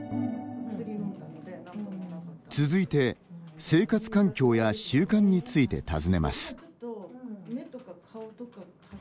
続いて生活環境や習慣について尋ねます。